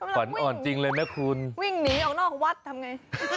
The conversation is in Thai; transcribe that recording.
ขวัญอ่อนจริงเลยนะคุณวิ่งหนีออกนอกวัดทำไง